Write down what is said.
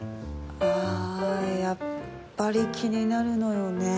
あやっぱり気になるのよね。